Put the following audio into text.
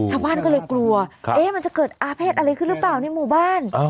ชาวบ้านก็เลยกลัวมันจะเกิดอาเภษอะไรขึ้นหรือเปล่าในหมู่บ้าน